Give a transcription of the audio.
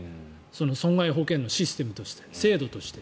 損害保険のシステムとして制度として。